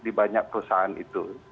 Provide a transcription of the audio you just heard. di banyak perusahaan itu